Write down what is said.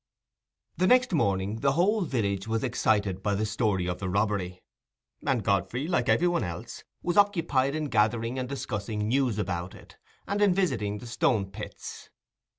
The next morning the whole village was excited by the story of the robbery, and Godfrey, like every one else, was occupied in gathering and discussing news about it, and in visiting the Stone pits.